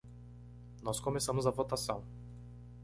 Nós começamos a votação.